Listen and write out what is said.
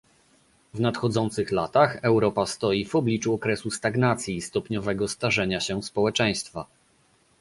W nadchodzących latach Europa stoi w obliczu okresu stagnacji i stopniowego starzenia się społeczeństwa